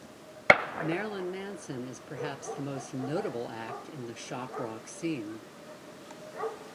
Marilyn Manson is perhaps the most notable act in the shock rock scene.